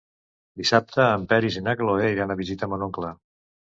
Dissabte en Peris i na Cloè iran a visitar mon oncle.